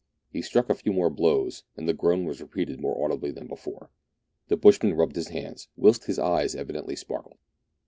He struck a few more blows, and the groan was repeated more audibly than before. The bushman rubbed his hands, whilst his eyes evidently sparkled.